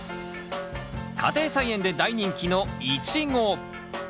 家庭菜園で大人気のイチゴ。